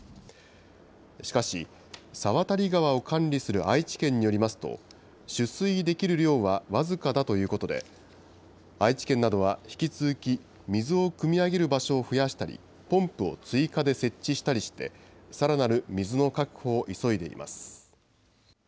しかし、猿渡川を管理する愛知県によりますと、取水できる量は僅かだということで、愛知県などは引き続き水をくみ上げる場所を増やしたり、ポンプを追加で設置したりして、さらなる水の確保を急いでいます。